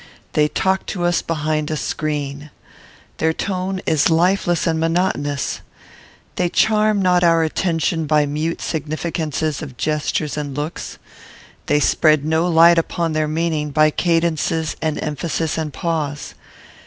They talk to us behind a screen. Their tone is lifeless and monotonous. They charm not our attention by mute significances of gesture and looks. They spread no light upon their meaning by cadences and emphasis and pause.